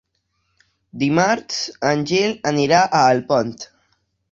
Dimarts en Gil anirà a Alpont.